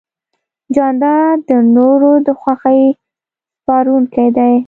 جانداد د نورو د خوښۍ سپارونکی دی.